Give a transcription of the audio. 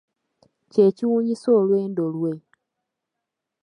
Kye kiwunyisa olwendo lwe.